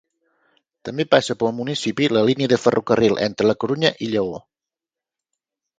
També passa pel municipi la línia de ferrocarril entre la Corunya i Lleó.